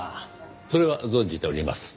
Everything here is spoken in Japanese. それは存じております。